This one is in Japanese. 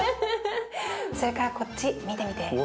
それからこっち見てみて。